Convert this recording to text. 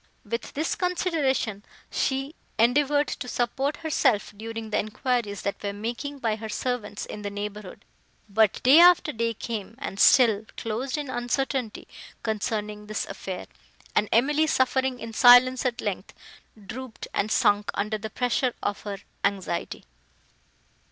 With this consideration, she endeavoured to support herself, during the enquiries, that were making by her servants in the neighbourhood; but day after day came, and still closed in uncertainty, concerning this affair: and Emily, suffering in silence, at length, drooped, and sunk under the pressure of her anxiety.